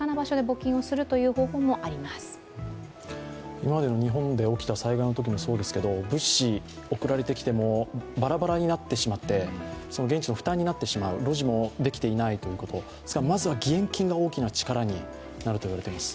今までの日本で起きた災害のときもそうですけれども、物資、送られてきてもバラバラになってしまって現地の負担になってしまう、ロジもできていないということ、ですから、まずは義援金が大きな力になると言われています。